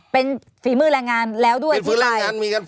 เป็นฝีมือแรงงานแล้วด้วยที่ไลน์